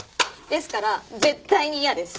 ですから絶対に嫌です。